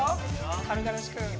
軽々しく。